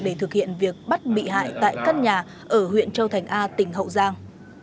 để thực hiện việc bắt bị hại tại căn nhà ở huyện châu thành a tỉnh hậu giang